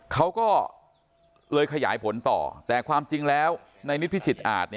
เขาก็เลยขยายผลต่อแต่ความจริงแล้วในนิดพิจิตอาจ